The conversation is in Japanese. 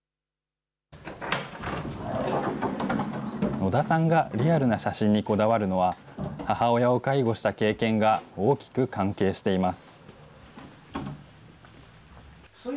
野田さんがリアルな写真にこだわるのは、母親を介護した経験が大きく関係しています。